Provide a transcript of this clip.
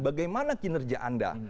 bagaimana kinerja anda